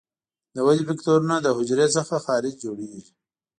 د ودې فکټورونه له حجرې څخه خارج جوړیږي.